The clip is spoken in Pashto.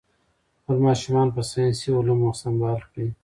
خپل ماشومان په ساینسي علومو سمبال کړئ.